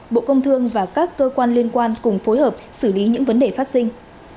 bộ công thương và các cơ quan liên quan cùng phối hợp xử lý những vấn đề phát sinh